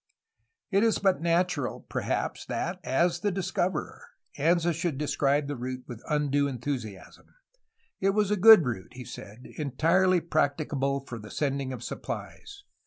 '' It is but natural, perhaps, that, as the discoverer, Anza should describe the route with undue enthusiasm. It was a good route, he said, entirely practicable for the sending of supplies.